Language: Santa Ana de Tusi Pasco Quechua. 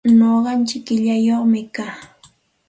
Nuqaichik qillaniyuqmi kaa.